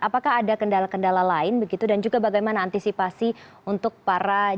apakah ada kendala kendala lain begitu dan juga bagaimana antisipasi untuk para jemaah calon jemaah haji ini